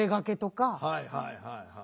はいはいはいはい。